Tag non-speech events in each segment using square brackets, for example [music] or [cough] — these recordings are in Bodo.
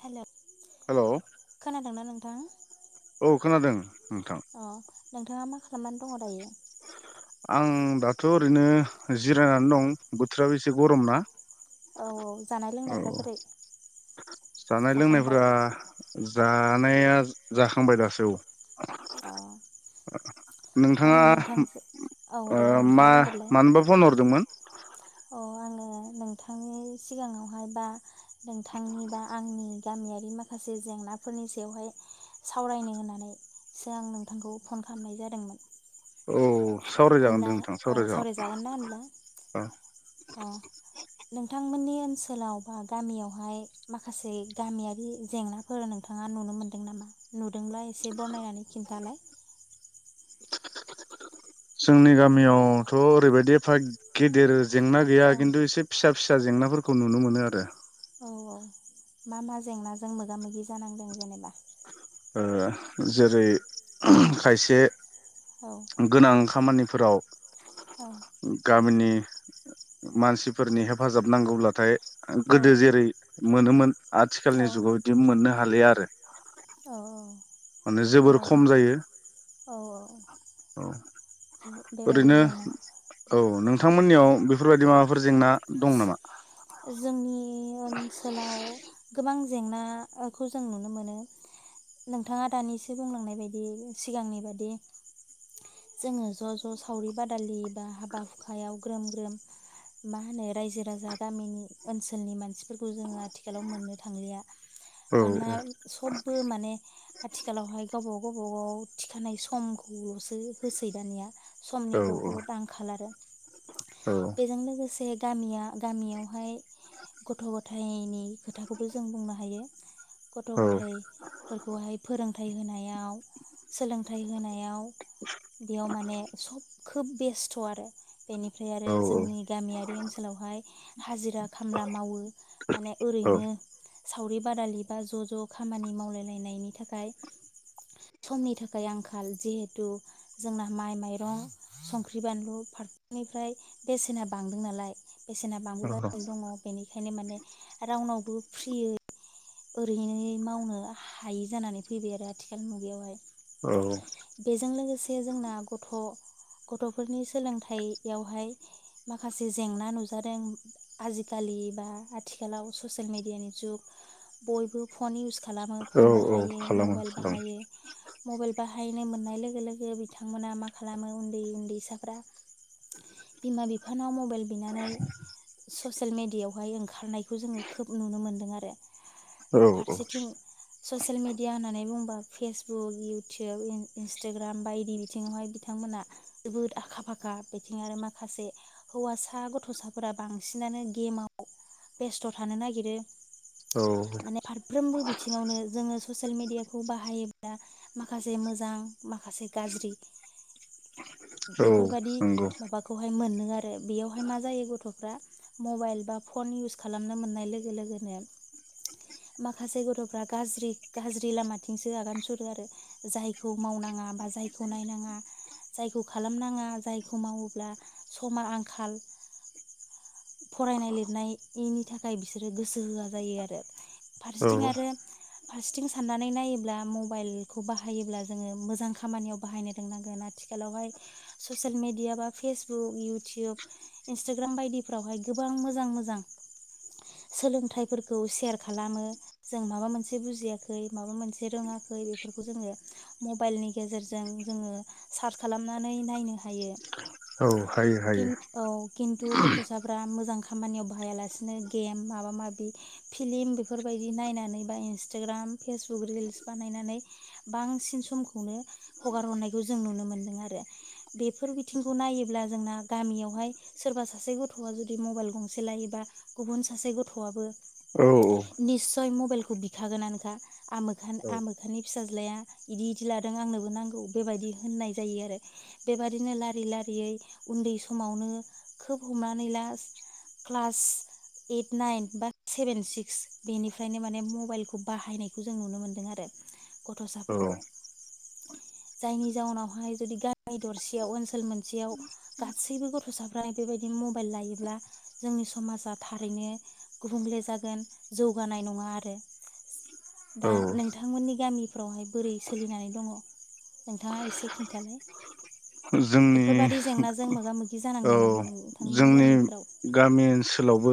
हेल हेलौ खोनादोंना नों थाङा। औ खोनादों। नोंथां अ। नोंथाङा मा खालामनानै दङ दायो? आं दाथ ओरैनो जिरायनानै दं बोथोराबो एसे गरम ना। औ औ जानाय औ लोंनायफ्रा बोरै? जानाय जाखांबाय लोंनायफोरा जानाया जाखांबाय दासो औ। अ नोंथाङा आङो नोंथांजो औ ओ दे नोंथाङा मा बुंग्रोलाय मानोबा फन हरदोंमोन? अ आङो नोंथांनि सिगाङावहाय बा नोंथांनि बा आंनि गामियारि माखासे जेंनाफोरनि सायावहाय सावरायनो होननानैसो आं नोंथांखौ फन खामनाय जादोंमोन। औ। सावरायजागोन दे होनब्ला नोंथां अ सावरायजागोन ना होनब्ला औ अ नों नोंथांमोननि ओनसोलाव बा गामियावहाय माखासे गामियारि जेंनाफोर नोंथाङा नुनो मोनदों नामा नुदोंब्ला एसे बरनायनानै खिन्थालाय। जोंनि गामियावथ ओरैबायदि एफा गिदिर जेंना गैया औ किन्टु एसे फिसा फिसा जेंनाफोरखौ नुनो मोनो आरो। औ औ मा मा जेंनाजों मोगा मोगि जानांदों जेनेबा? ओ जेरै खायसे औ गोनां खामानि फोराव औ गामिनि मानसिफोरनि हेफाजाब नांगौब्लाथाय औ गोदोजेरै मोनोमोन औ आथिखालनि जुगाव इदि मोनहा हालियाआरो। औ औ। माने जोबोर बेबादि खमजायो औ औ बेबायदि ओरैनो जेंना औ नोंथांमोननियाव बेफोरबायदि माबा फोरजेंना दंनामा? जोंनि ओनसोलाव गोबां जेंना ओ खौजों नुनोमोनो नोंथाङा दानिसो बुंलांनाय बायदि सिगांनिबादि जोङो ज ज सावरि बादालि बा हाबा हुदाया ग्रोम ग्रोम माहोनो रायजो राजा गामिनि ओनसोलनि मानसिफोरखौजोङो आथिखालाव मोननोथांलिया। औ मानोना सबबो माने आथिखालावहाय गावबागाव गावबागाव थिखानाय समखौल'सोहोसै दानिया। औ समनि बुहुद आंखाल आरो। औ बेजों लोगोसे बे गामिया गामियावहाय गथ' गथाइनि खोथाखौबोजों बुंनो हायो। गथ' औ गथाइफोरखौहाय फोरोंथाइ होनायाव सोलोंथाइ होनायाव बेयाव माने सब खोब बेस्थ' आरो बेनिफ्राय आरो औ जोंनि गामियारि ओनसोलावहाय हाजिरा खामला मावो माने औ ओरैनो सावरि बादालि बा ज' ज' खामानि मावलायलायनायनि थाखाय समनि थाखाय आंखाल जिहेथु जोंना माइ माइरं संख्रि बानलु फार [unintelligible] निफ्राय बेसेना बांदोंनालाय। बेसेना बांबोगा [unintelligible] नो दङ' बेनिखायनो माने रावनावबो फ्रियै ओरैनो मावनोहायि जानानै फैबायआरो आथिखाल मुगायावहाय। औ बेजों लोगोसे जोंना गथ' गथ'फोरनि सोलोंथाइ बेयावहाय माखासे जेंना नुजादों आजिखालि बा आथिखालाव ससेल मेडियानि जुग बयबो फन इउस खालामो औ फन बाहा औ बाहायो खालामो मबायल खालामो बाहायो। मबाइल बाहायनो मोननाय लोगो लोगो बिथांमोना माखालामो उन्दै उन्दैसाफ्रा बिमा बिफानाव मबाइल बिनानै ससेल मेडियावहाय ओंखारनायखौ जोङो खोब नुनो मोनदों आरो। औ फारसेथिं ससेल मेडिया होननानै बुंङोबा फेसबुक, इउटुब, इन्सटाग्राम बायदि बिथिङावहाय बिथांमोना जोबोद आखा फाखा बिथिं आरो माखासे हौवासा गथ'साफोरा बांसिनानो गेमाव बेस्थ' थानो नागिरो। औ माने फारफ्रोमबो बिथिङावनो जोङो ससेल मेडियाखौ बाहायोब्ला माखासे मोजां माखासे गाज्रि औ बेफोरबादि नंगौ माबाखौहाय मोनो आरो बेयावहाय माजायो गथ'फ्रा मबाइल बा फन इउस खालामनो मोननाय लोगो लोगोनो माखासे गथ'फ्रा गाज्रि गाज्रि लामाथिंसो आगान सुरोआरो जायखौ मावनाङा बा जायखौ नायनाङा जायखौ खालामनाङा जायखौ मावोब्ला समा आंखाल फरायनाय लिरनायनि थाखाय बिसोरो गोसो होआ जायो आरो। औ फारसेथिं आरो फारसेथिं साननानै नायोब्ला मबाइलखौ बाहायोब्लाजोङो मोजां खामानियाव बाहायनो रोंनांगोन आथिखालावहाय ससियेल मेडिया बा फेसबुक, इउटुब, इन्सटाग्राम बायदि फोरावहाय गोबां मोजां मोजां सोलोंथाइफोरखौ सेर खालामो जों माबा मोनसे बुजियाखै माबा मोनसे रोङाखै बेफोरखौ जोङो मबाइलनि गेजेरजों जोङो सार्च खालामनानै नायनो हायो। औ हायो हायो। किन्तु गथ'साफ्रा मोजां खामानियाव बाहायालासिनो गेम माबा माबि फिलिम बेफोरबायदि नायनानै बा इन्सटाग्राम, फेसबुक रिल्स बानायनानै बांसिन समखौनो हगार हरनायखौजों नुनोमोनदों आरो बेफोर बिथिंखौ नायोब्ला जोंना गामियावहाय सोरबासासे गथ'आ जुदि मबाइल गंसे लायोबा गुबुन सासे गथ'आबो औ निस्सय मबाइलखौ बिखागोनानोखा औ आमोखान-आमोखानि फिसाज्लाया इदि इदि लादों आंनोबोनांगौ बेबायदि होननाय जायोआरो बेबादिनो लारि लारियै उन्दै समावनो खोबहमनानैला क्लास ओइट, नाइन बा सेबेन, सिक्स बेनिफ्रायनो माने मबाइलखौ बाहायनायखौजों नुनोमोनदों आरो औ गथ'साफोरखौ। जायनि जाउनावहाय जुदि गामि दरसेयाव ओनसोल मोनसेयाव गासैबो गथ'साफ्रा बेबादि मबाइल लायोब्ला जोंनि समाजा थारैनो गुबुंले जागोन जौगानाय नङा आरो औ दा नोंथांमोननि गामिफ्रावहाय बोरै सोलिनानै दङ नोंथाङा एसे खिन्थालाय। जोंनि बेफोर बादि जेंनाजों मोगा मोगि औ जानांदोंनामा नोंथांमोननि जोंनि गामिफोराव? गामि ओनसोलावबो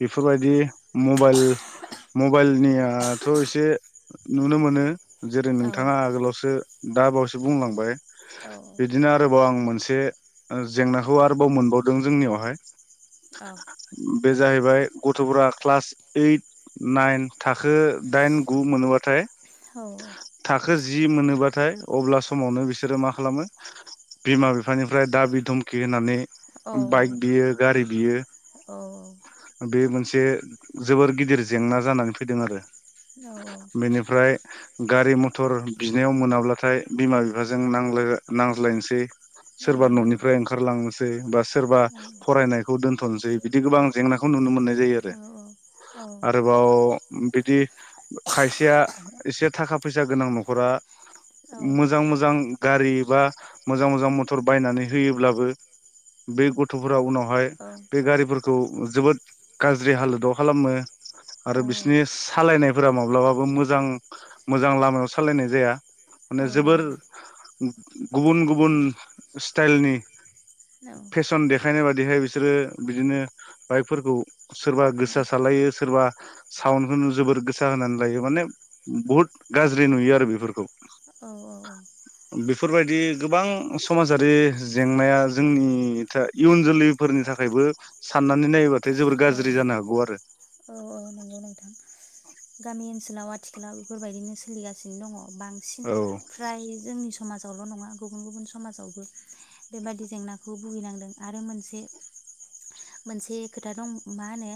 बेफोरबादि मबाइल मबाइलनियाथ एसे नुनोमोनो। जेरै औ नोंथाङा आगोलावसो दाबावैसो बुंलांबाय। औ बिदिनोआरोबाव आं मोनसे एसे ओ जेंनाखौ आरोबाव मोनबावदों जोंनियावहाय। औ। बे जाहैबाय गथ'फोरा क्लास ओइट, नाइन थाखो दाइन, गु मोनोबाथाय औ औ। थाखो जि मोनोब्लाथाय अब्ला समावनो बिसोरो मा खालामो बिमा बिफानिफ्राय दाबिधुमखि होनानै औ बाइक बियो गारि बियो। औ बे बे मोनसे जोबोर गिदिर जेंना जानानै फैदों आरो। औ औ औ बेनिफ्राय गारि मटर बिनायाव मोनाब्लाथाय बिमा बिफाजों नांज्लाय नांज्लायनोसै। औ सोरबा न'निफ्राय ओंखारलांनो सै बास सोरबा खौ दोनथ'नोसै बिदि गोबां जेंनाखौ नुनो मोननाय जायो आरो आरोबाव बिदि खायसेया एसे थाखा फैसा गोनां न'खरा मोजां मोजां गारि बा मोजां मोजां मथर बायनानै होयोब्लाबो बे गथ' फोरा उनाव हाय बे गारिफोर खौ जोबोद गाज्रि हालोदाव खालामो आरो बिसिनि सालायनाय फोरा माब्लाबाबो मोजां मोजां लामायाव सालायनाय जाया माने जोबोर गुबुन गुबुन स्टाइलनि औ खायनाय बादिहाय बिसोरो बिदिनो बाइकफोरखौ सोरबा गोसा सालायो सोरबा साउन्डखौ जोबोर गोसा होनानै लायो माने बुहुत गाज्रि नुयो आरो बेफोरखौ। औ औ औ बेफोरबायदि गोबां समाजारि जेंनाया जोंनि था इयुन जोलैफोरनि थाखायबो साननानै नायोबाथाय जोबोर गाज्रि जानो हागौ आरो औ औ नंगौ नोंथां गामि ओनसोलाव आथिखालाव बेफोरबायदिनो सोलिगासिनो दङ। बांसिन औ फ्राय जोंनि स समाजावल' नङा गुबुन गुबुन समाजावबो बेबादि जेंनाखौ भुगिनांदों आरो मोनसे मोनसे खोथा दं मा होनो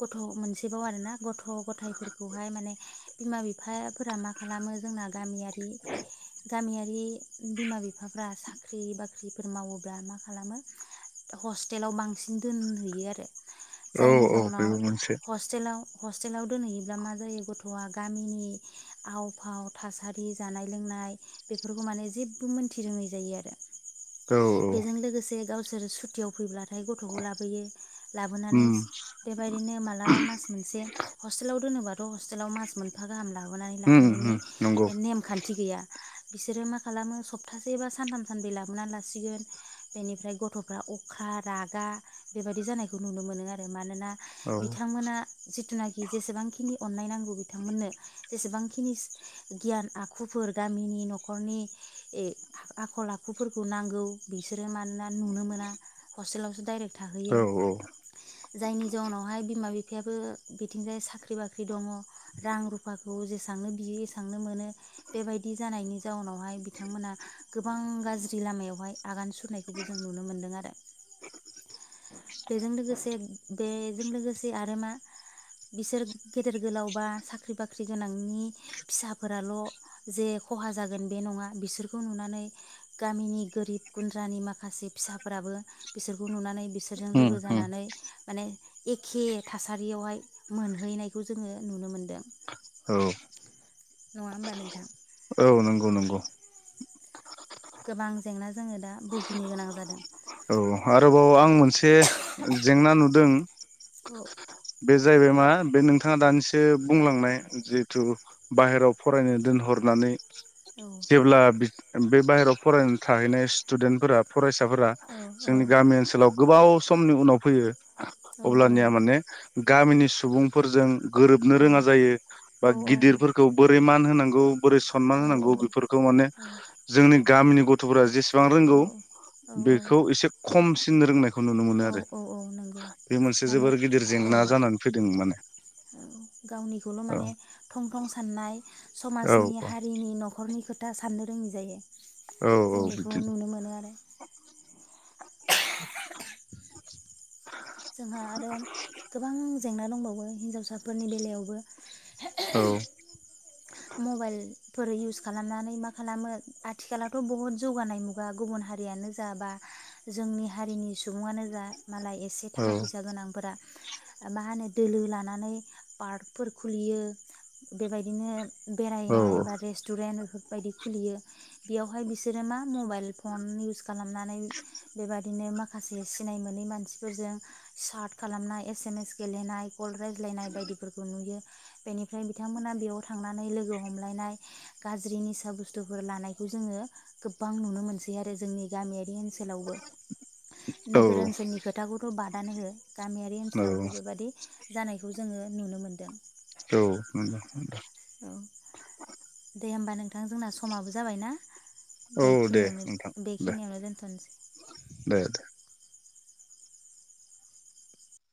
गथ' मोनसेबाव आरोना गथ' ग'थाइफोरखौहाय माने बिमा बिफाफोरा मा खालामो जोंना गामिया [unintelligible] गामियारि बिमा बिफाफ्रा साख्रि बाख्रिफोर मावोब्ला मा खालामो हस्टेलाव बांसिन दोनहैयो आरो औ जायनि औ बेबो जाउनाव मोनसे हस्टेलाव हस्टेलाव दोनहैयोब्ला मा जायो गथ'आ गामिनि आव फाव थासारि जानाय लोंनाय बेफोरखौ माने जेबो मोनथि रोङै जायो आरो। औ बेजों लोगोसे गावस सोर सुटियाव फैब्ला थाय गथ'खौ लाबोयो उम लाबोनानै बेबायदिनो मालाबा मास मोनसे हस्टेलाव दोनोबाथ' हस्टेलाव मास मोनफा गाहाम ला बुनाय उम लाफैनायनि उम नंगौ नेमखान्थि गैया। बिसोरो मा खालामो सप्तासेबा सानथाम सानबै लाबोनानै लासिगोन बेनिफ्राय गथ'फ्रा अख्रा रागा बेबादि जानायखौ नुनो मोनो आरो मानोना औ बिथांमोना जे थिनाखि जेसेबांखिनि अननाय नांगौ बिथांमोननो जेसेबांखिनि गियान आखुफोर गामिनि न'खरनि ए आखल आखुफोरखौ नांगौ बिसोरो मानोना नुनो मोना हस्टेलावसो दाइरेक्ट थाहैयो औ औ जायनि जाउनावहाय बि बिमा- बिफायाबो बिथिंजाय साख्रि बाख्रि दङ'। रां रुफाख खौ जेसांनो बियो एसेबांनो मोनो बेबायदि जानायनि जाउनावहाय बिथांमोना गोबां गाज्रि लामायावहाय आगान सुरनायखौबो जों नुनो मोनदों आरो बेजों लोगोसे बेजों लोगो से आरो मा बिसोर गेदेर गोलाव बा साख्रि बाख्रि गोनांनि फिसाफोराल' जे खहा जागोन बे नङा बिसोरखौ नुनानै गामिनि गोरिब गुन्द्रानि माखासे फिसाफोराबो बिसोरखौ नुनानै बि बिसोरजों उम लोगो उम जानानै माने एक खे थासारियावहाय मोनहैनायखौ जोङो नुनो मोन औ। नङा होमबा नोंथां। नोंगौ नंगौ। गोबां जेंना जोङो दा बुगिनो गोनां जादों। औ आरोबाव आं मोनसे जेंना नुदों। [inaudible] औ। बे जाहैबाय मा बे नोंथाङा दानिसो बुंलांनाय जिहेथु बाहेराव फरायनो दोनहरनानै औ जेबला बि बे बाहेराव फरायनो थाहैनाय स्टुडेन्टफोरा फरायसाफोर औ जोंनि गामि ओनसोलाव गोबाव समनि उनाव फैयो। औ अब्लानिया माने गामिनि सुबुंफोरजों गोरोबनो रोङा जायो बा औ गिदिरफोरखौ बोरै मान होनां गौ। बोरै सनमान होनांगौ बेफोरखौ माने औ जोंनि गामिनि गथफोरा जेसे बां रोंगौ औ बेखौ एसे खमसि [unintelligible] औ-औ-औ नोंगौ मोनसे माने जोबोर गिदिर जेंना औ-औ जानानै फैदों माने गावनिखौल औ माने थं-थं साननाय। औ समाजनि हारिनि नखर नि खोथा साननो रोङि जायो। औ औ जों बेखौ बिदिनो नुनो मोनो आरो [inaudible] जोंहा आरो गोबां जेंना दंबा वो हिनजावसाफोरनि बेलायावबो। औ मबाइलफोर इउस खालामनानै मा खालामो? आथिखालावथ' बहुत जौगानाय मुगा गुबुन हारियानो जा बा जोंनि हारिनि सुबुङानो जा मालाय एसे औ थाखा फैसा गोनांफोरा मा होनो दोलो लानानै पार्कफोर खुलियो। बेबायदिनो औ बेरायनाय बा रेस्टुरेन्ट बायदि खुलियो बेयावहाय बिसोरो मा मबाइल फन इउस खालामनानै बेबा दिनो माखासे सिनाय मोनै मानसिफोरजों साट खालामना‌य एसेमेस गेलेनाय कल रायज्लायनाय बायदिफोरखौ नुयो। बेनिफ्राय बिथांमोना बेयाव थांनानै लोगो हमलायनाय गाज्रि निसा बुस्थुफोर लानायखौ जोङो गोबां नुनो मोनसै आरो जोंनि गामियारि ओनसो लावबो। औ नोगोर ओनसोलनि खोथाखौथ' बाद आनो हो। गामियारि ओनसोलावबो बेबादि जानायखौ जोङो नुनो मोनदों। औ नंगौ [unintelligible] औ दे होमबा नों थां जोंना समाबो जाबायना औ दे नोंथां बेखिनियावनो बेखिनियावनो दोनथ'नोसै। दे दे।